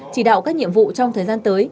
chỉ đạo các nhiệm vụ trong thời gian tới